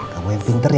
kamu yang pinter ya